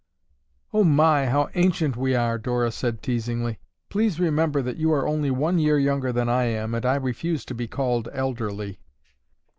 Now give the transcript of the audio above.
"Oh my, how ancient we are!" Dora said teasingly. "Please remember that you are only one year younger than I am and I refuse to be called elderly."